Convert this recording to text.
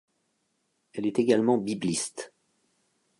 Elle est également bibliste.